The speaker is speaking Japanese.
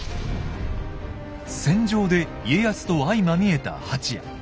戦場で家康と相まみえた蜂屋。